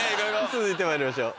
続いてまいりましょう。